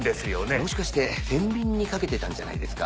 もしかして天秤に掛けてたんじゃないですか？